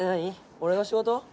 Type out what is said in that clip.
俺の仕事？